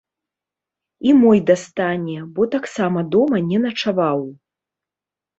І мой дастане, бо таксама дома не начаваў.